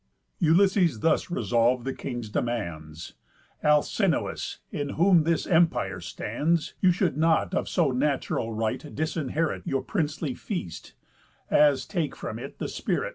Ulysses thus resolv'd the king's demands: "Alcinous, in whom this empire stands, You should not of so natural right disherit Your princely feast, as take from it the spirit.